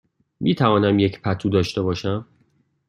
می توانم یک پتو داشته باشم؟